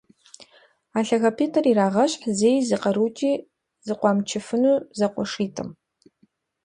А лъагапIитIыр ирагъэщхь зэи зы къэрукIи зэкъуамычыфыну зэкъуэшитIым